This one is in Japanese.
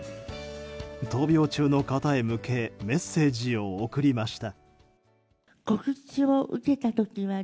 闘病中の方へ向けメッセージを送りました。